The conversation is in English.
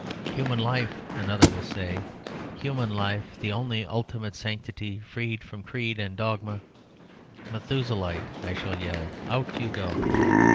"Human Life," another will say, "Human Life, the only ultimate sanctity, freed from creed and dogma...." "Methuselahite!" I shall yell. "Out you go!"